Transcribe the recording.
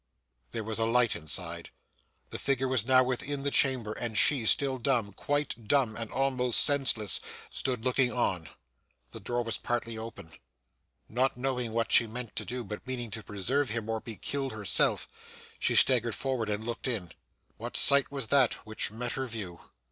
There was a light inside. The figure was now within the chamber, and she, still dumb quite dumb, and almost senseless stood looking on. The door was partly open. Not knowing what she meant to do, but meaning to preserve him or be killed herself, she staggered forward and looked in. What sight was that which met her view!